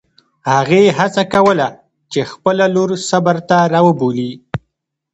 هغې هڅه کوله چې خپله لور صبر ته راوبولي.